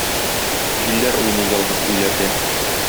Җилләр уйный ялгыз өйләрдә.